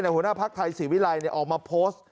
หัวหน้าภักดิ์ไทยศรีวิรัยออกมาโพสต์